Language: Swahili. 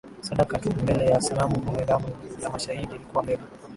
sadaka tu mbele ya sanamu Kumbe damu ya mashahidi ilikuwa mbegu